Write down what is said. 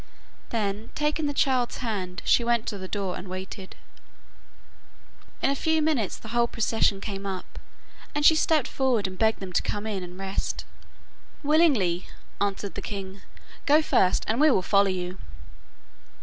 Then, taking the child's hand, she went to the door and waited. In a few minutes the whole procession came up, and she stepped forward and begged them to come in and rest. 'Willingly,' answered the king; 'go first, and we will follow you.